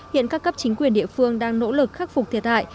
hiện các cấp chính quyền địa phương đang nỗ lực khắc phục thiệt hại